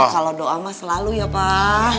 kalo doa ma selalu ya pak